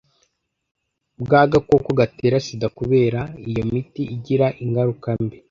bw agakoko gatera sida kubera ko iyo miti igira ingaruka mbi